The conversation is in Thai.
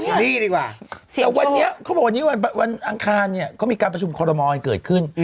แต่วันนี้เขาบอกว่าวันอังคารเนี่ยเขามีการประชุมโครโลมอล์ให้เกิดขึ้น